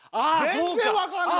全然分かんない！